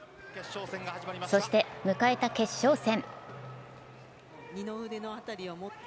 そして迎えた決勝戦。